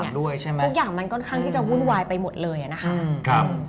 คุกอย่างมันก่อนข้างที่จะวุ่นวายไปหมดเลยอ่ะนะคะ